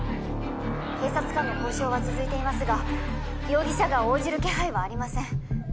警察官の交渉は続いていますが容疑者が応じる気配はありません